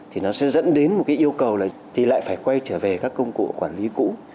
thì nó sẽ dẫn đến một cái yêu cầu là thì lại phải quay trở về các công cụ quản lý cũ